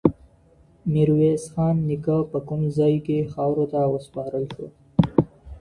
ميرويس خان نيکه په کوم ځای کي خاورو ته وسپارل سو؟